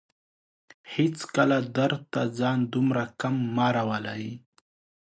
هيڅکله درد ته ځان دومره کم مه راولئ